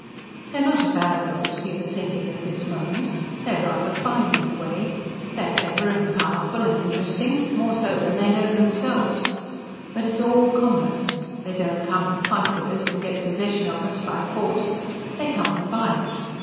"They're not a bad lot," he was thinking at this moment. "They are rather fine in a way. They are clever and powerful and interesting more so than they know themselves. But it is all commerce. They don't come and fight with us and get possession of us by force. They come and buy us.